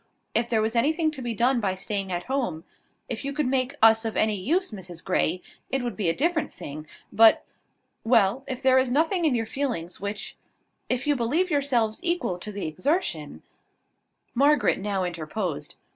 If there was anything to be done by staying at home, if you could make us of any use, Mrs Grey, it would be a different thing: but " "Well, if there is nothing in your feelings which if you believe yourselves equal to the exertion " Margaret now interposed.